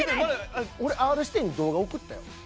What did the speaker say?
俺Ｒ−指定に動画送ったよ。